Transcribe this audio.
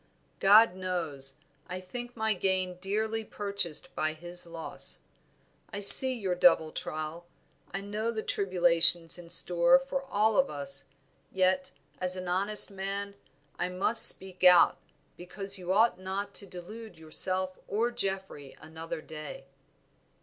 God knows, I think my gain dearly purchased by his loss. I see your double trial; I know the tribulations in store for all of us; yet, as an honest man, I must speak out, because you ought not to delude yourself or Geoffrey another day."